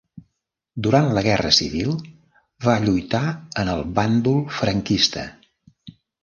Durant la Guerra Civil va lluitar en el bàndol franquista.